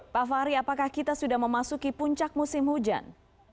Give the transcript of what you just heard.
pak fahri apakah kita sudah memasuki puncak musim hujan